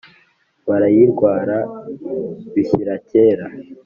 barayirwara bishyira kera